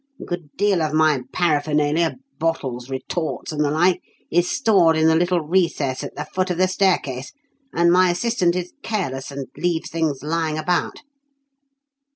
A good deal of my paraphernalia bottles, retorts and the like is stored in the little recess at the foot of the staircase, and my assistant is careless and leaves things lying about."